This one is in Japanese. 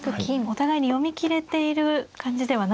お互いに読みきれている感じではないですね。